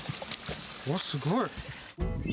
わっ、すごい。